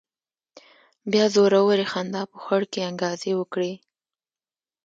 بيا زورورې خندا په خوړ کې انګازې وکړې.